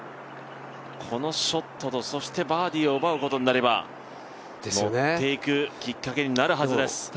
このショットとバーディーを奪うことになれば、ノッていくきっかけになるはずです。